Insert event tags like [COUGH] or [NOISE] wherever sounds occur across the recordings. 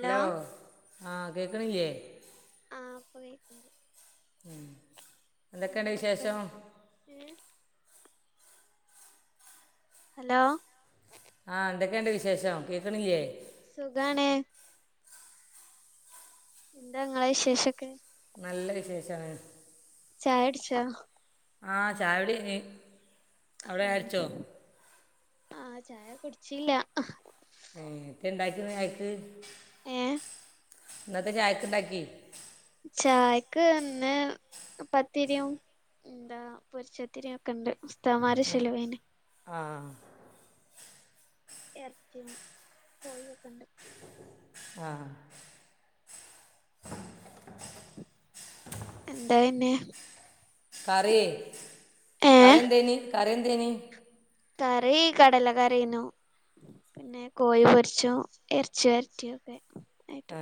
Hello ആഹ് കേക്ക് ണില്ലെ ആഹ് ഉമ് എന്തൊക്കെണ്ട് വിശേഷം ഉമ് ഹലോ ആഹ് ന്തൊക്കെണ്ട് വിശേഷം കേക്കണില്ലെ സുഖാണ് എന്താ ങ്ങളെ വിശേഷെക്കെ. നല്ല വിശേഷാണ്. ചായകുടിച്ച. ആഹ് ചായകുടി കഴിഞ്ഞ്. ആഹ് ചായ കുടിച്ചില്ല. ഏഹ് എന്ധെ ണ്ടാക്കി ഇന്ന് ചായക്ക്. ഏഹ് ഇന്ന് എന്താ ചായക്ക് ഇണ്ടാക്കി. ചായക്ക് ഇന്ന് പത്തിരിം എന്താ പൊരിച്ചത്തിരി ഒക്കെണ്ട് ഉസ്താമാരെ ഷെലവണ്ട്. ആഹ് ഇറച്ചിം കോഴി ഒക്കെയുണ്ട്. ആഹ് എന്താ പിന്നെ. കറി ഏഹ് കറിഎന്തേനി കറി എന്തേനി. കറി കടല കറി ഏന്നു. പിന്നെ കോഴി പൊരിച്ചോം ഇറച്ചി വരറ്റിയും ഒക്കെ ആയിട്ടു. ആ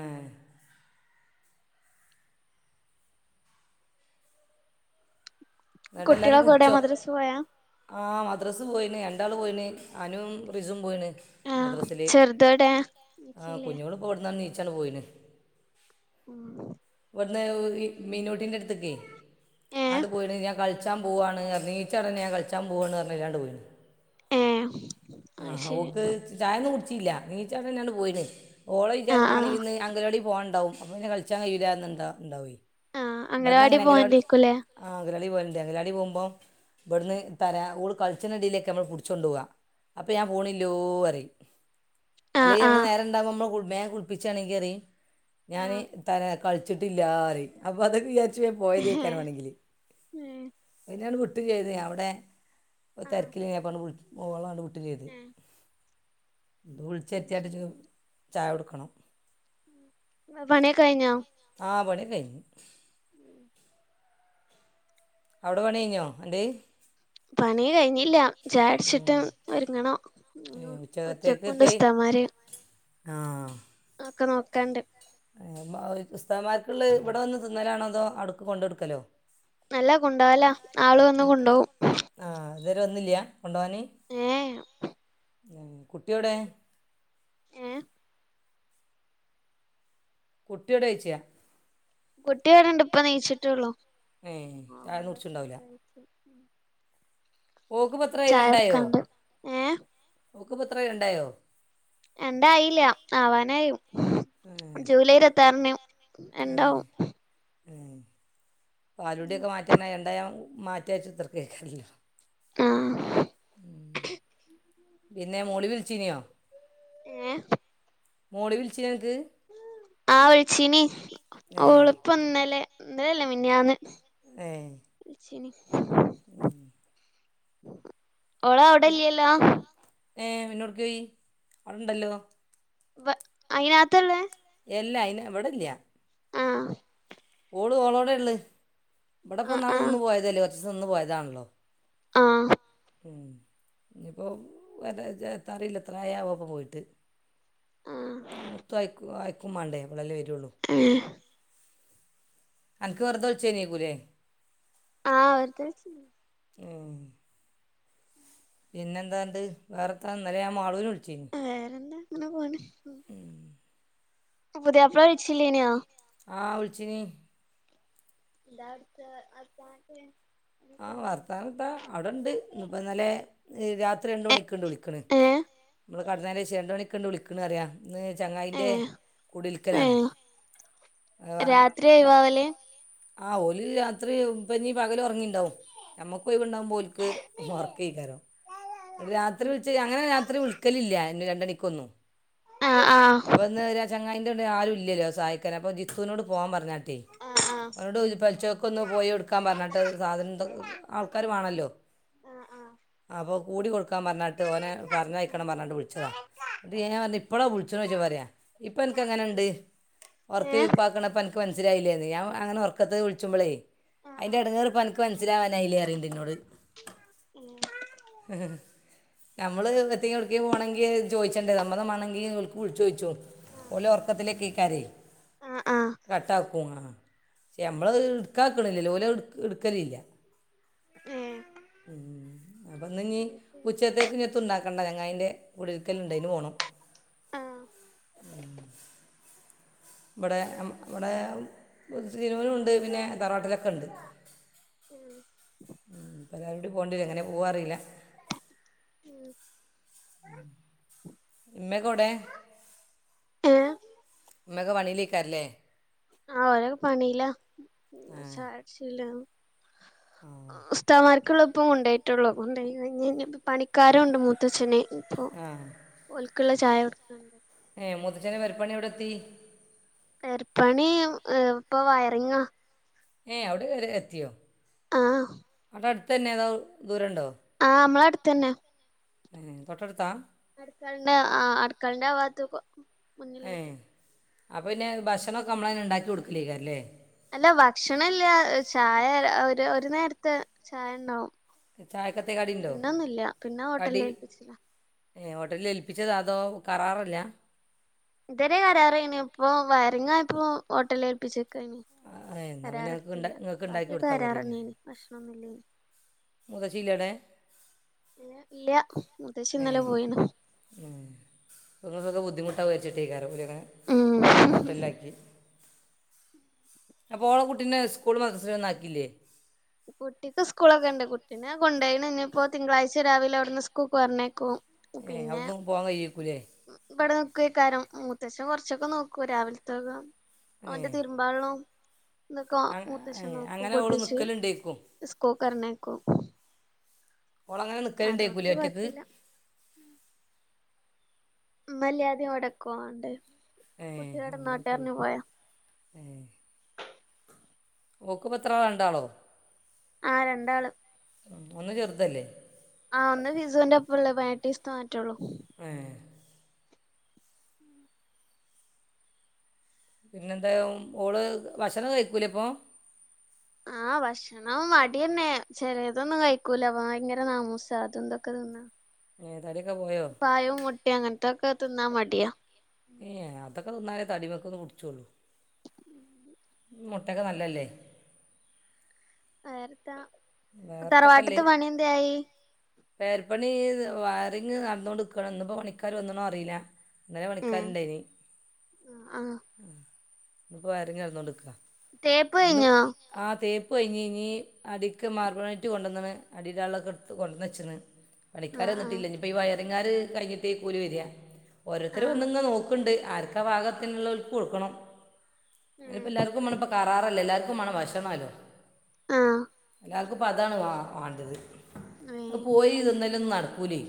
ങ്ങട്ട് എല്ലാരും കുട്ടികളൊക്കെ എവിടെ കുടിച്ചോ. മദ്രസ് പോയാ ആഹ് മദ്രസ പോയിന് രണ്ടാള് പോയിന് അനും റിസും പോയിന്. ആഹ് മദ്രസിൽ ചെറുതോടെ നീച്ചില്ലേ. ഓട്ന്ന് നീച്ചാണ്ട് പോയിന്. ഉമ് ഇവിടുന്ന് ഈ മീനുട്ടിന്റെ അടുത്ത്‌ക്കെ ഏഹ് ആണ്ട് പോയിണ് ഞാൻ കാളി കളിച്ചാൻ പോവാണ് പറഞ്ഞ് നീച്ചപാടെന്നെ ഞാൻ കളിച്ചാൻ പോവാണ് പറഞ്ഞ് അവരാണ്ട് പോയി. ഉമ് ആഹ് ഓക്ക് ചായ ഒന്നും കുടിച്ചീല്ല നീച്ചപാടെന്നെ ആണ്ട് പോയിന്. ഓളെ ആഹ് വിചാരം ആഹ് മാണെങ്കി ഇന്ന് അങ്കലവാടി പോണ് ണ്ടാവും അപ്പോ പിന്നെ കളിച്ചാൻ കഴീല്ല ന്ന്ണ്ട ഉണ്ടാവെയ്. ആഹ് അംഗനവാടി ഇബടന്നങ്ങനെ അംഗലവാടി പോവാണ്ടേക്കൂലേ ആഹ് അംഗലവാടി പോവലുണ്ട് അംഗലവാടി പോകുമ്പോ ഇവിടുന്ന് തരാ ഓൾ കളിച്ചണ തിനി ടയിലൊക്കെ നമ്മൾ പിടിച്ചു കൊണ്ട് പോവ. അപ്പോ ഞാൻ പോണില്ലോ പറിം. ആഹ് അല്ലെങ്കി ഇവിടെ ആഹ് നേരണ്ടാക്മ്പോ ഇമ്മ കുളി വേം കുളിപ്പിച്ചാണെങ്കി പറയും ഞാന് ആഹ് തരെ കളിച്ചിട്ടില്ലാറിയും അപ്പ അതൊക്കെ വിചാരിച്ച് പോയതേക്കാരം വേണങ്കില്. ഉമ് പിന്നാണ്ട് വിട്ടും ചെയ്ത് ഞാൻ അവടെ ആഹ് തിരക്കിലി അപാണ്ട് വി ഓളാണ്ട് വിട്ടും ചെയ്ത് ഏഹ് വിളിച്ച് അത് വരുത്തിയാണ്ട് ശരി ചായ കൊടുക്കണം പണിയൊക്കെ പണി ഒക്കെ കഴിഞോ ആഹ് പണി ഒക്കെ കഴിഞ്ഞ്. ഉമ് അവടെ പണി കഴിഞ്ഞോ അന്റെ. പണി കഴിഞ്ഞില്ല. ചായകുടിച്ചിട്ടും ഒരുങ്ങണം. ഉം, ഉച്ചക്കുംണ്ട് ഉസ്താമാര്. ആഹ് അയ് ഒക്കെ നോക്കാണ്ട്. [UNINTELLIGIBLE] ഉസ്താദ് മാർക്ക്ള്ളെ ഇവിടെ വന്ന് തിന്നലാണോ അതോ അവ്ട്ക്ക് കൊണ്ട കൊടുക്കലോ അല്ല, കൊണ്ടോവല ആള് വന്ന് കൊണ്ടോവും. ആഹ്, ഇതുവരെ വന്നില്ല കൊണ്ടവാന്. ഏ എം ഉം. [INAUDIBLE] ഏ. കുട്ടിയോടെ യ്ച്ച. കുട്ടി ഇവട്ണ്ട്, ഇപ്പ നീച്ചിട്ടൊള്ളു. ഏ ചായ ഒന്നും കുടിച്ചിട്ടുണ്ടാവില്ല ഓക്ക് ഇപ്പൊ എത്രായി ചായ രണ്ടായോ? എടുക്കാണ്ട് ഏ ഓക്ക് ഇപ്പൊ എത്രായി രണ്ടായോ. രന്റായില്ല, ആവാനായി ഏ ജൂലൈ ഇരുപത്താറിന് രന്റാവും. ഉം, പാലൂടിയൊക്കെ മാറ്റാനായ, രണ്ടായ മാറ്റജാരിച്ച് കുത്തർക്കെയ്ക്കാരല്ലോ. ഉം ളം, പിന്നെ മോളി വിളിച്ചീനിയോ? ഏഹ് മോളി വിളിച്ചീനിയൊ അൻക്ക്? ആ വിളിച്ചീനി, ഏ ഓളിപ്പം ഇന്നലെ ഇന്നലല്ല മിൻയാന്ന്. ഏഹ് വിളിച്ചി [INAUDIBLE] നി [UNINTELLIGIBLE] ഓളവിടില്ലേല്ലോ ഏ, പിന്നൊട്ക്കോയി അവിടണ്ടല്ലോ. വ അയിനാത്തിള്ളേ എല്ലാ അയിന് ഇവിടല്ല ആഹ് ഓള് ഓളോടെള്ള. ആ ഇവിടെപ്പം ഇന്നാള് ആ നിന്ന് പോയതല്ലേ കൊറച്ച് ദിവസം നിന്ന് പോയതാണല്ലോ. ആഹ് ഉം, ഇഞ്പ്പം [UNINTELLIGIBLE] എത്ത അറീല്ല. എത്രായാവോ ഇപ്പ പോയിട്ട്. ആ മൂത്തു അയക്കു അയക്കും മാണ്ടേ, അപ്പളല്ലേ വരുള്ളൂ. ഏഹ് അൻക്ക് വെർതെ വിൾച്ചേ നിയെക്കുലേ ആഹ്, വെർതെ വിളിച്ചെനി ഉം പിന്നെന്താണ്ട്, വേറെത്താ ഇന്നലെ ഞാൻ മാളൂന് വിളിച്ചി നി വേറെന്നെ ഇങ്ങനെ പോണ് [UNINTELLIGIBLE] [UNINTELLIGIBLE] പുതിയാപ്പിള വിളിച്ചില്ലേനോ? ആഹ് വിളിച്ചീനി ഇതാട്ത്തെ [UNINTELLIGIBLE] ആ ഭർത്താവന്താ, അവിടെണ്ട് ഇന്നിപ്പം ഇന്നലെ രാത്രി ഏ രണ്ട്മണിക്ക്ണ്ട് വിളിക്ക്ണ്. ഏ ഇങ്ങള് കെടെന്നേന്റെശെ രണ്ട് മണിക്ക്ണ്ട് വിളിക്ക്‌ണ്. ത്ത്ണ്അറിയാ, ഇന്ന് ഏ ചങ്ങായിൻ്റെ കുടിൽക്കലാണ് രാത്രിയാ ഒഴിവാവല് ആ ഓല് രാത്രി ഇപ്പഞ്ഞ് പകല് ഒറങ്ങീണ്ടാവും. നമ്മുക്കൊഴിവുണ്ടാകുമ്പോ ഓൽക്ക്‌ ഒറക്കേക്കാരം രാത്രിവിളിച്ച് അങ്ങനെ രാത്രി വിളിക്കലില്ല എന്നെ രണ്ടണിക്കൊന്നും. ആഹ് ആഹ് അപ്പോൾ ഇന്ന് വരെ ചങ്ങായിന്റെ വീട്ടിൽ ആരൂല്ലല്ലോ സഹായിക്കാൻ അപ്പോൾ ജിത്തുവിനോട് പോവാൻ പറഞ്ഞാട്ടേ ആഹ് ആഹ് അവനൊട് ചോയിച്ചപ്പ പരിച്ചോക്ക് ഒന്ന് പോയി എടുക്കാൻ പറഞ്ഞിട്ട് സാധന്ത് ആൾക്കാര് വാണല്ലോ അപ്പോ കൂടി കൊടുക്കാൻ പറഞ്ഞാട്ട് ഓന പറഞ്ഞയക്കണം പറഞ്ഞിട്ട് വിളിച്ചതാ എന്നിട്ട് ഞാൻ പറഞ്ഞ് ഇപ്പളാ വിളി ഇത്രയിച്ച പൊരായാ ഇപ്പന്ക്ക്‌ എങ്ങനെണ്ട് ഒറക്ക് ഏഹ് ഉപ്പാക്കുള്ളപ്പോ എനക്ക് മനസിലായില്ലേന്ന് ഞാൻ അങ്ങന ഉറക്കത്ത് വിളിച്ചുമ്പോളേ ആഹ് ആഹ് അയിന്റെടങ്ങേറ് ഇപ്പനക്ക് ഇക്ക് മനസ്സിലാവാനായില്ലേ പറയ്തെന്നോട് നമ്മള് വെറുതെഎവിടെങ്കിലു പോണെങ്കില് ചോയിച്ചണ്ടേ സമ്മതമാണെങ്കി ഓൽക് വിളിച്ചോഴിച്ചോ ഓലെ ഒർക്കത്തിലേക്കേക്കാരേ ഏഹ് ആഹ് കട്ടാക്കും ആഹ് യാമ്മള് ഇട്ക്കാക്ക്ണില്ലല്ലോ ഓലത് എടു എടുക്കലെ ഇല്ല ഏഹ് മ് അപ്പൊ ഇന്ന് ഇനി ഉച്ചത്തേക്ക് ഇങ്ങൻത്തുണ്ടാ കാക്കന്റെ ചങ്ങായിന്റെ കുടിയിരിക്കൽ ഉണ്ടേനു അയിനു പൊണം ആഹ് ഇബടെ ആം ഇബടെ ഒരു സിംനൂനുണ്ട് പിന്നെ തറാട്ടലൊക്കെ ഉണ്ട് ഉം എല്ലാരൂടി പോണ്ടിയെരും എങ്ങനെ പോവാറീല ഉം ഉം ഇമ്മെകൗടെ ഇമ്മോക പണീലേക്കാരലേ ആ ഒരൊക്കെ പണില ആ പിന്നെ ചായടിച്ചീല ആ ഉസ്തമാര് കൾ ഇപ്പ കൊണ്ടോയിട്ടുള്ളു [UNINTELLIGIBLE] ഇനി ഇനി ഇപ്പ പണിക്കാരുണ്ട് മൂത്തച്ഛനെ ഇപ്പൊ ആഹ് ഒലക്കുള്ള ചായ കൊടുക്കണ്ട് ഏഹ് മുത്തച്ചേന്റെ പെരപ്പണി എവിടെ എത്തി പെരിപ്പണി ഏ ഇപ്പൊ വയറിങ്ങ ഏയ് അവിടെ വരെ എത്തിയോ ആഹ് അടെ അടുത്തന്നെ അതോ ദൂരം ഉണ്ടോ ആഹ് നമ്മള അടുത്തന്നെ ഏഹ് തോട്ടടുത്ത അടുക്കളിന്റെ ആഹ് അടുക്കാളിന്റെ ഭാഗത്തക്ക മുന്നിലേറ്റും അപ്പൊ പിന്നെ ഭക്ഷണംക്കെ നമ്മളേന്നെ ഉണ്ടാക്കി കൊടുക്കലേക്ക അല്ലേ അല്ല ഭക്ഷണ ഇല്ല ചായ ഒരു ഒരു നേരത്ത് ചായ ഉണ്ടാവും ചായക്കത്തെ കടി ഉണ്ടോ പിന്നൊന്നുംഇല്ല പിന്നെ ഹോട്ടല് ഏൽപ്പിച്ചിനാ ഏഹ് ഹോട്ടലിൽ ഏൽപ്പിച്ചത അതോ കറാറല്ല ഇതരെ കാരാറെനി ഇപ്പൊ വയറിങ്ങയപ്പോ ഹോട്ടലീ ഏൽപ്പിച്ചക്കയ്ന് ഏ എന്നാൽ പിന്നെ കരാറെ നിങ്ങൾക്ക് ഉണ്ടാ എടുത്തല്ല നിങ്ങൾക്ക് ഉണ്ടാക്കി ബാക്കിയൊക്കെ കൊടുത്താൽ പോരെ കരാറന്നെനി ഭക്ഷണന്നുല്ലനി മൂത്തച്ചില്ലേവ്ടെ ഇല്ല ഇല്ല്യ മൂത്തച്ചി ഇന്നലെ പോയിണ് ഉം നിങ്ങൾക്കൊക്കെ ബുദ്ധിമുട്ടാകു വിചാരിച്ചിട്ടേക്കാരോലങ്ങനെ ഉം ഹോട്ടലാക്കി അപ്പോ ഓള കുട്ടിനെ സ്കൂൾലും മഡ്രസലൊഒന്നാക്കില്ലേ കുട്ടിക്ക് സ്കൂളൊക്കെ ഉണ്ട് കുട്ടി പിന്നെ കൊണ്ടോയീണ് ഞ്ഞിപ്പോ തിങ്കളാഴ്ച രാവിലെ അവിടുന്ന് സ്കൂൾക്ക് പറഞ്ഞേക്കും ഏഹ് പിന്നെ അവിടുന്നും പോവാൻ കഴിയേക്കൂല്ലേ ഇവിടെ നിക്കുയെക്കാരം മൂത്തച്ചൻ കൊറച്ചൊക്കെ നോക്കൂ രാവിലത്തക്കെ ഏ അവന്റെ തീർ മ്പാള്ളം ന്തൊക്കെ അങ്ങ- ഏ, മുത്തച് നോക്ക അങ്ങനെ ഓൾ കുൾപ്പിച് നിൽക്കലുണ്ടേക്കും സ്കൂക്കറിഞ്ഞേക്കും ഓളങ്ങനെ അതുകൊണ്ട് നിൽക്കലുണ്ടാക്കൂലേ ഒറ്റയ്ക്ക് കൊഴപ്പില്ല ഇമ്മല്ലാതിം ഇവിടെക്കു ആണ്ട് ഏ ഏ.. ഓക്ക് പത്രാളാ രണ്ടാളോ ആ രണ്ടാള് ഉ ഒന്ന് ചെറുതല്ലേ ആഹ് ഒന്ന് ഫിസുന്റെ ഒപ്പള്ളെ പതിനേട്ടീസത്തെ മാറ്റള്ളൂ ഏ പിന്നെ ന്തായ ഓള് വഷണം കഴിക്കൂല പ്പോ ആ വശ് ഓൻ മടിയന്നെ ചെലേ തൊന്നും കഴിക്കൂല അ ഭയങ്കര നാമൂസ അതു ഇതെക്കെ തിന്ന ഏ തടിയൊക്കെ പോയോ പാഴും മുട്ടിം അങ്ങനത്തൊക്കെ തിന്നാൻ മടിയാ ഏ അതൊക്കെ തിന്നാലേ തടിമെക്ക ഒന്ന് പുടിച്ചോുള്ളൂ മുട്ടക്കെ നല്ലല്ലേ നേരത്ത തറവാട്ടത്തെ പണി എന്തായി പേര്പ്പണി വയറിങ് നടന്നോണ്ടക്കാണ് എന്നന്നിപ്പോ പണിക്കാർ വന്നോണം ന്ന് അറിയില്ല ഇന്നലെ ഏ പണിക്കാരുണ്ടായിനി ആ ഇന്നപ്പോ വയറിങ് നടന്നോണ്ടിരിക്ക തേപ്പ് ഇന്ന് കഴിഞ്ഞോ ആ തേപ്പ് കഴിഞ് ഇഞ് അടിക്ക് മാർബണേട്ടറ്റ് കൊണ്ടുവന്ന്ക്ക്ണ് അടിടൊളൊക്കെ എടുത്ത് കൊണ്ടുവന്ന ച്ച് ആ ച്ചിക്ക്ണ്പണിക്കാര ആ വന്നിട്ടില്ല ഇനിപ്പോ ഈ വയറിങ്ങാാര് കഴിഞ്ഞിട്ടേ ഓല് വെര ആ ഓരോത്തരും വന്ന് നോക്കണ്ട് ആർക്കാ ഭാഗത്തിനുള്ള ഓൽക്ക് കൊടുക്കണം അപ്പ എല്ലാവർ റ എല്ലർക്കു കറാറല്ലോ എല്ലാർക്കുമാണം ഭക്ഷ ണല്ലോ ആ ആ എല്ലാർ അതാണ് വാണ്ടത് ഏ ഇപ്പ പോയി തിന്നല് നടക്കൂലെയ്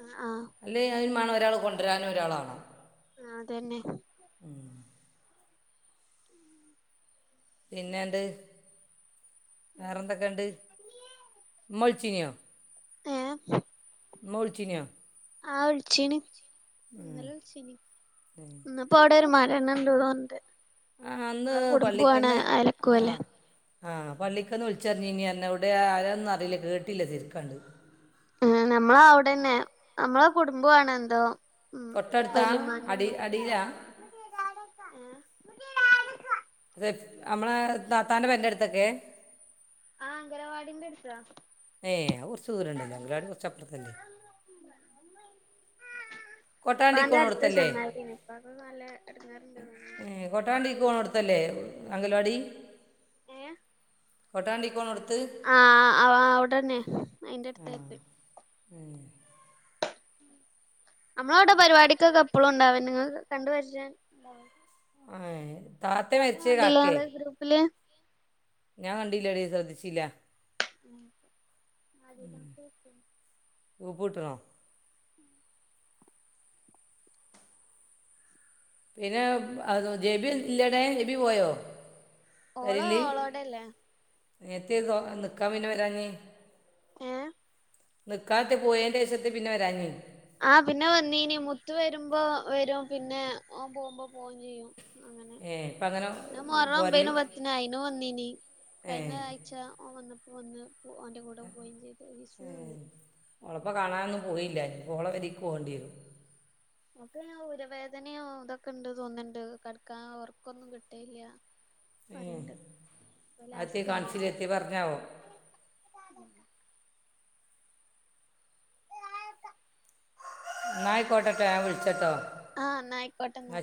ആഹ് അല്ല അതിന്േ ഒരാൾ കൊണ്ടുവരാനും ഒരാളാാണ്ോ ആ അതന്നെ പിന്നെണ്ട് വേറെന്തൊക്കെയുണ്ട് ഇമ്മളിച്ചിനോ ഏ ഇമ്മ വിളിച്ചിനോ ആ വിളിച്ചിനി ഉം. ഇന്നലെ വിളിച്ചിനി ഉം. ഇപ്പ അവിടെ ഒരു മരണം ഉണ്ട് തോന്നോണ്ട് ആ അന്ന് നമ്മളെ കുടുംബണ് അരക്കും അല്ലെ ആഹ് പള്ളിക്കൊന്നന്ന് വിളിച്ചറിഞ്ഞ ഇനി ഇവിടെ ആരൊന്നും അറിയില്ല കേട്ടില്ല ശരിക്കാണ്ട് ഉ നമ്മള അവിടെന്നെ നമ്മളെ കുടുംബണ എന്തോ ഉം തൊട്ടടുത്ത വല്ലിമ്മാൻ്റെ അടി എന്തോ അടിയിലാ കുടുംബോഏന്തോവാണ് അതെ നമ്മളെ താത്താൻ്റെ പെര ൻ്റെ അടുത്തൊക്കെ ആഹ അംഗനവാടിന്റെ അടുത്താ ഏ കുറച്ച് ദൂരംണ്ടല്ലോ അംഗനവാടി കുറച്ചു പ്പുറത്തല്ലെ ഇപ്പ ൻ്റെ അടുത്ത് കൊട്ടാണ്ടിക്കോണടുത്തല്ലേ ചെങ്ങാതിയാണ് ഇപ്പൊക്കക്കെ നല്ല ഇടങ്ങാറുണ്ട്ന്ന് റഞ്ഞ് കൊട്ടാണ്ടിക്ക് പോണോ ട്ത്തല്ലെ അംഗൽവാടി ഏ കൊട്ട വണ്ടിക്ക് പോണോ ട്ത്ത് അവിടെന്നെ അയിന്റെ അടുത്തായിട്ട് നമ്മള അവിടെ പരിപാടിക്കൊക്കെപ്പളും ഉണ്ടാവൻ നിങ്ങ കണ്ട് പരിചയ ആ താത്ത മരിച്ച കാക്കെ പില ഞാൻ കണ്ടില്ലാ ശ്രദ്ധിച്ചില്ല ഉ അതം ശ [INAUDIBLE] പ്പട്ടറോ [UNINTELLIGIBLE] ഉം പിന്നെ അ ജെബി ഇല്ലട ജെബി പോയോ ഓള് പെരില് ഓളോടല്ലേ നേത്തെോ നിിക്കാൻ പിന്നെ വരാഞ്ഞീ ഏ നിക്കാകത്ത് പോയേന്റെശത്ത് പിന്നെവരാഞ് ആഹ് പിന്നെ വന്നീനി മുത്ത് വരുമ്പോവരും പിന്നെ ഓൻ പോവുമ്പോ പോവയും ചെയ്യും അങ്ങനെ ഏ ഇപ്പം അങ്ങനെ ഞാ മോറ പോരല് ഒമ്പനും പത്തിന അയിനും വന്നീ ഏ കയിഞ്ഞ ആഴ് ച്ചാ ഓൻ വന്നപ്പോ വന്ന് ഓൻ്റെ കൂടെ പോയിംചെയ്ത് ഏ. വിഷുവന്ന് ഓളപ്പം കാണാനൊന്നും പോയില്ല ഇഞ്പ്പൊ ഓളപെരീക്ക് പോണ്ടിരും ഓക്കയ്ന് ഊരവേദനോ ഇതൊക്കെ ഇണ്ട് തോന്നിണ്ട് കടക്കാൻ ഒർക്കൊന്നും കിട്ടല്ല ഏഹ് അഅത്തി കാണ്ച്ചിലെ എത്തെ പറഞാവോ ഉം ഇന്നായിക്കോട്ടട്ട ഞാൻ വിൾച്ചട്ടോ ആഹ് ന്നായിക്കോട്ടന്നാ